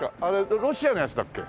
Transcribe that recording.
ロシアのやつだっけ？